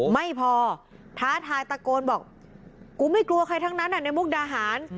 ไม่พอท้าทายตะโกนบอกกูไม่กลัวใครทั้งนั้นในมุกดาหาร